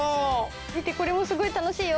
見てこれもすごい楽しいよ。